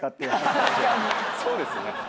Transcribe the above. そうですね。